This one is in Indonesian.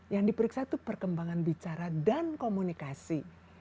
yang diperiksa itu perkembangan bicara dan komunikasi